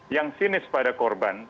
yang sinis pada korban